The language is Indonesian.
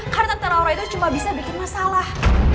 karena tante laura itu cuma bisa bikin masalah